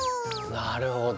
なるほど。